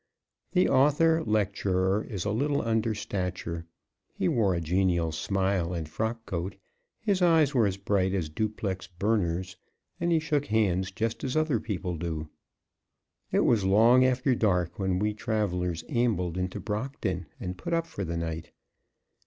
The author lecturer is a little under stature; he wore a genial smile and frock coat; his eyes were as bright as duplex burners; and he shook hands just as other people do. It was long after dark when we travelers ambled into Brockton and put up for the night.